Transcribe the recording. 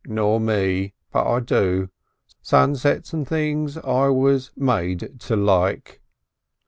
"Nor me. But I do. Sunsets and things I was made to like."